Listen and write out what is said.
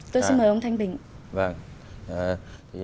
tôi xin mời ông thanh bình